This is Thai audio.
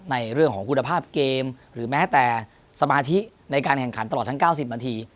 ในเรื่องของคุณภาพเกมหรือแม้แต่สมาธิในการแข่งขันตลอดทั้ง๙๐นาที